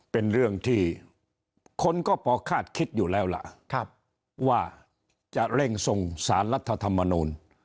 เป็นเรื่องที่คนก็พอคาดคิดอยู่แล้วล่ะว่าจะเร่งส่งสารรัฐธรรมนูล